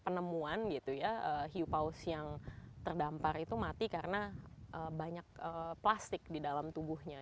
penemuan gitu ya hiu paus yang terdampar itu mati karena banyak plastik di dalam tubuhnya